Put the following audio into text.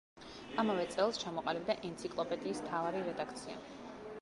ამავე წელს ჩამოყალიბდა ენციკლოპედიის მთავარი რედაქცია.